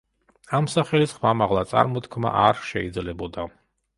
ამ სახელის ხმამაღლა წარმოთქმა არ შეიძლებოდა.